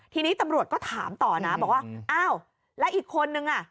ทีนี้ตำรวจก็ถามต่อนะบอกว่าอ้าวแล้วอีกคนนึงอ่ะ